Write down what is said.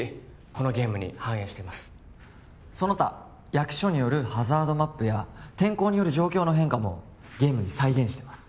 このゲームに反映してますその他役所によるハザードマップや天候による状況の変化もゲームに再現してます